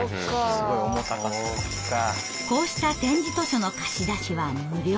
こうした点字図書の貸し出しは無料。